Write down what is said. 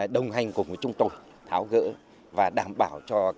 đồng hành cùng với chúng tôi tháo gỡ và đảm bảo cho